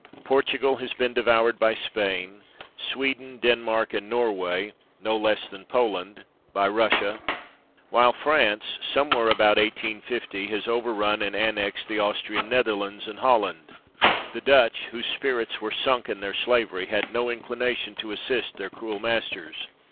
Portugal has been devoured by Spain ; Sweden, Denmark, and Norway (no less than Poland), by Russia ; while France, somewhere about 1850, has overrun and annexed the Austrian Netherlands and Holland. " The Dutch, whose spirits were sunk in their slavery, had no inclina tion to assist their cruel masters.